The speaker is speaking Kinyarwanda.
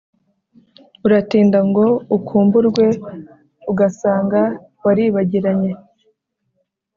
Uratinda ngo ukumburwe, ugasanga waribagiranye.